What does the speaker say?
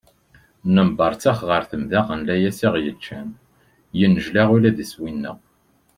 Nebberttex ɣer temda n layas i aɣ-yeččan, yennejla ula d iswi-nneɣ.